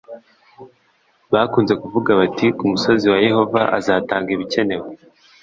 bakunze kuvuga bati ku musozi wa yehova azatanga ibikenewe